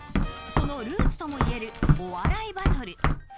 そのルーツともいえるお笑いバトル。